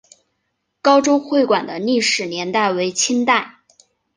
高州会馆的历史年代为清代。